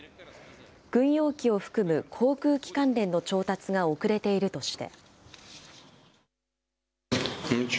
軍用機を含む航空機関連の調達が遅れているとして。